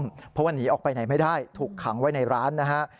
เพราะว่าหนีออกไปไหนไม่ได้ถูกขังไว้ในร้านนะฮะ